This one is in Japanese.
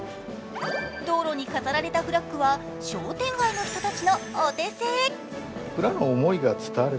道路に飾られたフラッグは商店街の人たちのお手製。